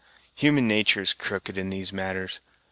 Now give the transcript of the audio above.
Human nature' is crooked in these matters.